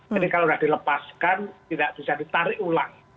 jadi kalau sudah dilepaskan tidak bisa ditarik ulang